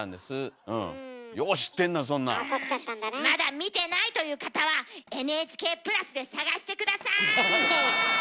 まだ見てないという方は「ＮＨＫプラス」で探して下さい。